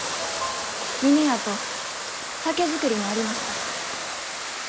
峰屋と酒造りにありました。